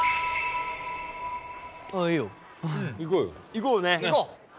行こうね。